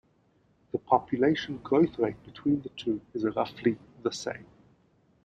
The population growth rate between the two is roughly the same.